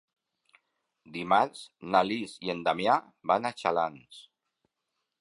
Dimarts na Lis i en Damià van a Xalans.